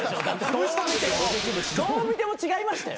どう見ても違いましたよ。